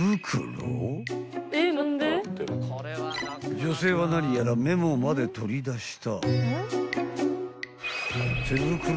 ［女性は何やらメモまで取り出した］